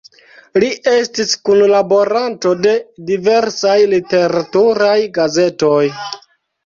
Li estis kunlaboranto de diversaj literaturaj gazetoj.